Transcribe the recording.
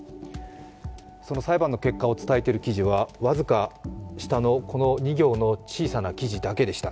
その裁判の結果を伝えている記事は、僅か下の、この２行の小さな記事だけでした。